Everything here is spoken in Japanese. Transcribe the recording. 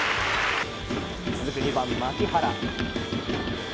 続く２番、牧原。